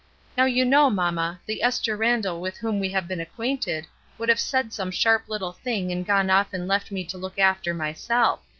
Now you know, mamma, the Esther Randall with whom we have been acquainted would have said some sharp httle thing and gone off and left me to look after myself.